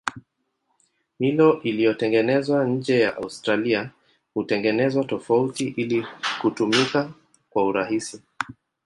Milo iliyotengenezwa nje ya Australia hutengenezwa tofauti ili kutumika kwa urahisi.